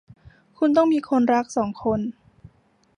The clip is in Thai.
คุณต้องมีคนรักสองคน